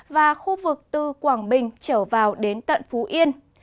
và khu vực từ quảng bình trở vào đến tận phú yên